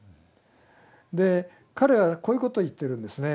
で彼はこういうことを言ってるんですね